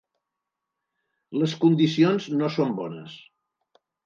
Les condicions no són bones.